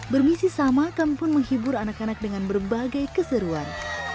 bermisi sama kampun menghibur anak anak dengan berbagai keseruan